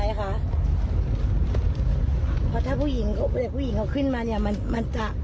เพราะถ้าผู้หญิงเขาขึ้นมา